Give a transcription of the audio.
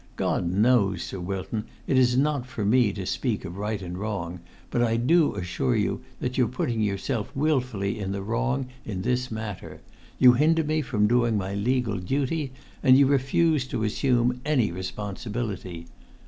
God knows, Sir Wilton, it is not for me to speak of right and wrong; but I do assure you that you're putting yourself wilfully in the wrong in this matter. You hinder me from doing my legal duty, and you refuse to assume any responsibility!